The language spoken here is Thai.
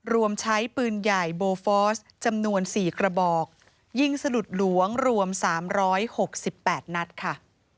รวมใช้ปืนใหญ่โบฟอสจำนวนสี่กระบอกยิ่งสลุดหลวงรวมสามร้อยหกสิบแปดนัดค่ะ